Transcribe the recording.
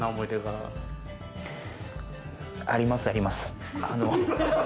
あります、あります。